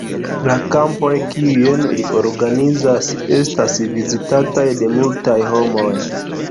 La kampoj, kiujn li organizas, estas vizitataj de multaj homoj.